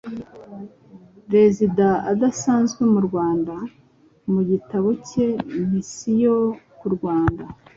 Rezida udasanzwe mu Rwanda, mu gitabo cye Misiyo ku Rwanda